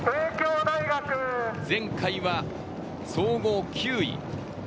前回は総合９位。